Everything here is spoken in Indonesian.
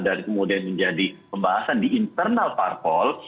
dan kemudian menjadi pembahasan di internal parpol